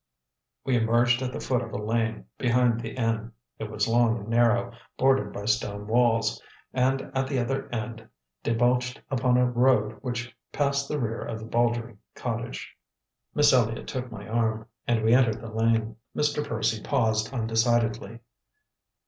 We emerged at the foot of a lane behind the inn; it was long and narrow, bordered by stone walls, and at the other end debouched upon a road which passed the rear of the Baudry cottage. Miss Elliott took my arm, and we entered the lane. Mr. Percy paused undecidedly.